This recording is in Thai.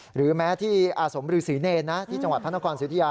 หรือแม้ที่อสมรือศรีเนรนะที่จังหวัดพันธกรศิวิทยา